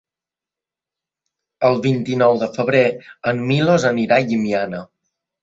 El vint-i-nou de febrer en Milos anirà a Llimiana.